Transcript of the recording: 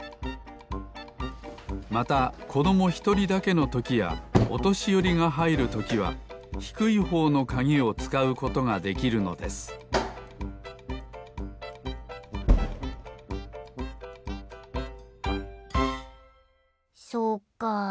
またこどもひとりだけのときやおとしよりがはいるときはひくいほうのかぎをつかうことができるのですそうか。